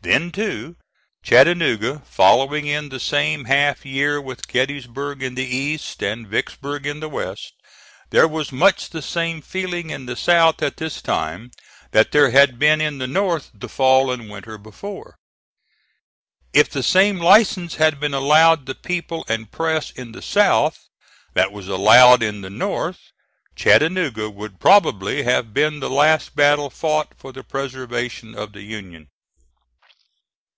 Then, too, Chattanooga, following in the same half year with Gettysburg in the East and Vicksburg in the West, there was much the same feeling in the South at this time that there had been in the North the fall and winter before. If the same license had been allowed the people and press in the South that was allowed in the North, Chattanooga would probably have been the last battle fought for the preservation of the Union.